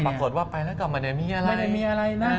ปรากฏว่าไปแล้วก็มันไม่มีอะไรมันไม่มีอะไรนะ